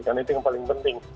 karena itu yang paling penting